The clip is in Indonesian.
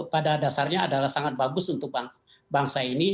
pada dasarnya adalah sangat bagus untuk bangsa ini